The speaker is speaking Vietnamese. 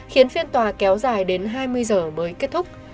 khiến phiên tòa kéo dài đến hai mươi giờ mới kết thúc